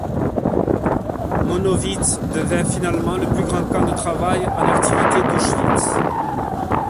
Monowitz devint finalement le plus grand camp de travail en activité d'Auschwitz.